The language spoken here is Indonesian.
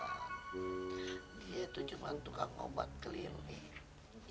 dia itu cuma tukang obat keliling